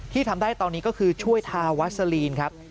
ทำได้ตอนนี้ก็คือช่วยทาวัสลีนครับ